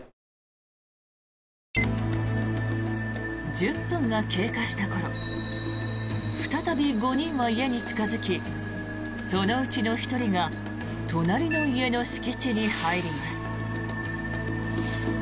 １０分が経過した頃再び５人は家に近付きそのうちの１人が隣の家の敷地に入ります。